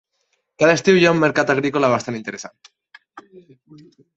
Cada estiu hi ha un mercat agrícola bastant interessant.